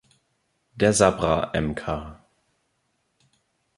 Der Sabra Mk.